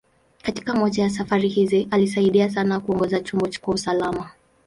Katika moja ya safari hizi, alisaidia sana kuongoza chombo kwa usalama.